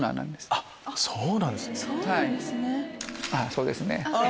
あっそうですね。